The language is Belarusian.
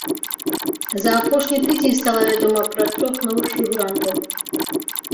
За апошні тыдзень стала вядома пра трох новых фігурантаў.